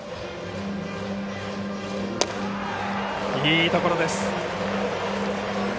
いいところです。